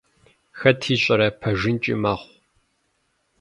Хэт ищӀэрэ, пэжынкӀи мэхъу…